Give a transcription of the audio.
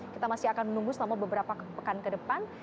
kita masih akan menunggu selama beberapa pekan ke depan